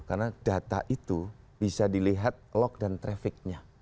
karena data itu bisa dilihat log dan trafficnya